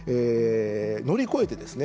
乗り越えてですね